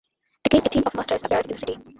Again a team of masters appeared in the city.